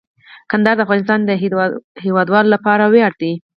کندهار د افغانستان د هیوادوالو لپاره ویاړ دی.